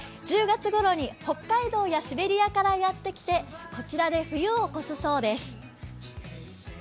１０月ごろに北海道やシベリアからやってきて、こちらで冬を越すそうです。